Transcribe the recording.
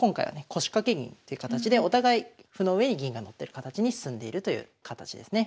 腰掛け銀という形でお互い歩の上に銀がのってる形に進んでいるという形ですね。